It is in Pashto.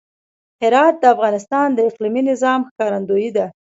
هرات د افغانستان د اقلیمي نظام ښکارندوی ده.